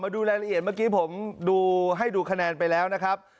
ดูรายละเอียดเมื่อกี้ผมดูให้ดูคะแนนไปแล้วนะครับ